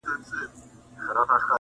لا د نمرودي زمانې لمبې د اور پاته دي.!